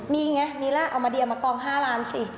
มีนะเอามาเดียมมากลอง๕ล้านสิ